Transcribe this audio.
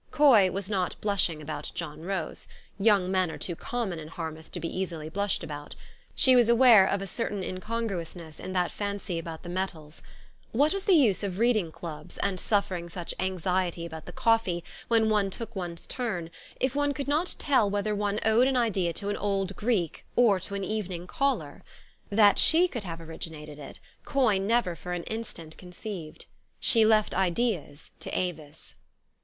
Coy was not blushing about John Rose : young men are too common in Harmouth to be easily blushed about. She was aware of a certain incon gruousness in that fancy about the metals. What was the use of reading clubs, and suffering such anx iety about the coffee, when one took one's turn, if one could not tell whether one owed an idea to an old Greek, or an evening caller? That she could have originated it, Coy never for an instant con ceived. She left ideas to Avis.